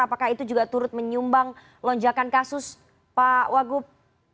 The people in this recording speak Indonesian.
apakah itu juga turut menyumbang lonjakan kasus pak wagub